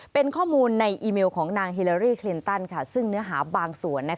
เป็นข้อมูลในอีเมลของนางฮิลารี่คลินตันซึ่งเนื้อหาบางส่วน